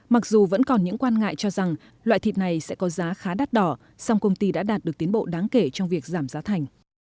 mặc dù vẫn còn những quan ngại cho rằng loại thịt này sẽ có giá khá đắt đỏ song công ty đã đạt được tiến bộ đáng kể trong việc giảm giá thành